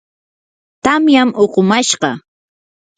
tamyam uqumashqa.